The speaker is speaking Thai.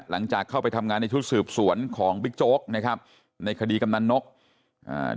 หลังจากเข้าไปทำงานในชุดสืบสวนของบิ๊กโจ๊กนะครับในคดีกำนันนกอ่า